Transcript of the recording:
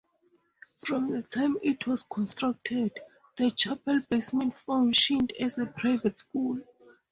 From the time it was constructed, the chapel basement functioned as a private school.